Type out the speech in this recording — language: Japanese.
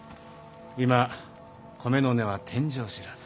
今米の値は天井知らず。